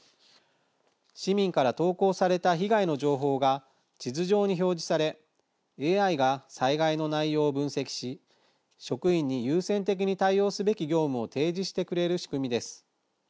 市民から投稿された被害の情報が地図上に表示されＡＩが災害の内容を分析し職員に優先的に対応すべき業務を提示してくれる仕組みです。